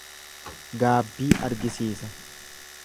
Gaabbii argisiisa.